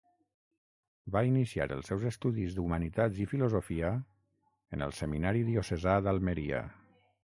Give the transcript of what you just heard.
Va iniciar els seus estudis d'Humanitats i Filosofia en el Seminari Diocesà d'Almeria.